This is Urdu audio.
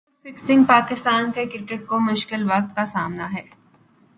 اسپاٹ فکسنگ پاکستان کرکٹ کو مشکل وقت کا سامنا ہے